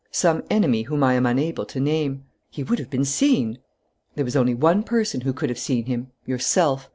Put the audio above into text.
"Some enemy whom I am unable to name." "He would have been seen." "There was only one person who could have seen him yourself.